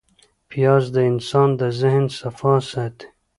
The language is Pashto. پیاز د انسان د ذهن صفا ساتي